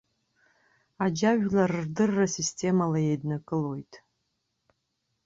Аџьажәлар рдырра системала еиднакылоит.